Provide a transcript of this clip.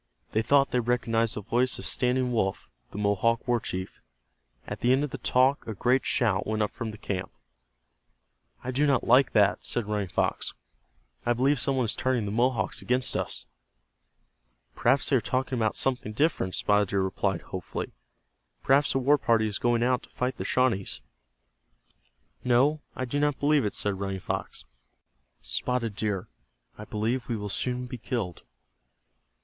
They thought they recognized the voice of Standing Wolf, the Mohawk war chief. At the end of the talk a great shout went up from the camp. "I do not like that," said Running Fox. "I believe some one is turning the Mohawks against us." "Perhaps they are talking about something different," Spotted Deer replied, hopefully. "Perhaps a war party is going out to fight the Shawnees." "No, I do not believe it," said Running Fox. "Spotted Deer, I believe we will soon be killed."